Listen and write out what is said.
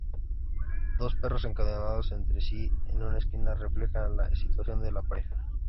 Dos perros encadenados entre sí en una esquina reflejan la situación de la pareja.